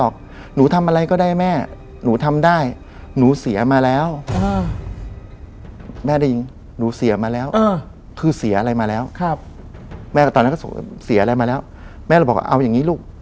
คือเสียอะไรมาแล้วครับแม่ก็ตอนนั้นก็เสียอะไรมาแล้วแม่ก็บอกว่าเอาอย่างงี้ลูก